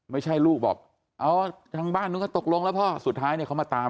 ไม่ใช่ลูกบอกเอาทางบ้านนู้นก็ตกลงแล้วพ่อสุดท้ายเนี่ยเขามาตาม